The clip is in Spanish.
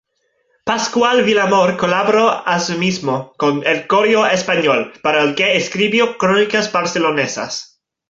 Pascual Villamor colaboró asimismo con "El Correo Español", para el que escribió crónicas barcelonesas.